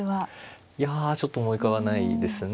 いやちょっと思い浮かばないですね。